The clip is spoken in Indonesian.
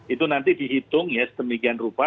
itu nanti dihitung ya sedemikian rupa